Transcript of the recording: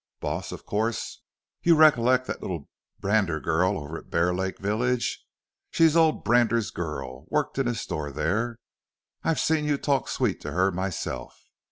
Boss, of course, you recollect thet little Brander girl over at Bear Lake village. She's old Brander's girl worked in his store there. I've seen you talk sweet to her myself.